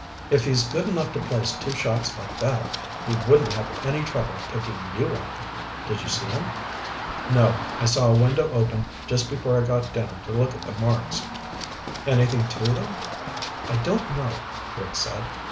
If he's good enough to place two shots like that, he wouldn't have any trouble picking you off. Did you see him?" "No. I saw a window open just before I got down to look at the marks." "Anything to them?" "I don't know," Rick said.